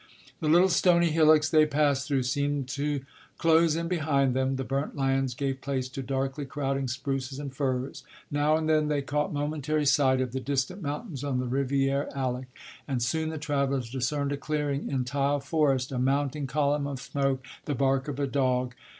The little stony hillocks they passed through seemed to close in behind them; the burnt lands gave place to darkly crowding spruces and firs; now and then they caught momentary sight of the distant mountains on the Riviere Alec; and soon the travellers discerned a clearing in the forest, a mounting column of smoke, the bark of a dog.